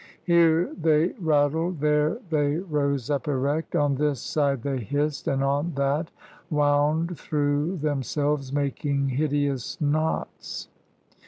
Here they rattled, there they rose up erect; on this side they hissed, and on that wound through themselves, making hideous knots.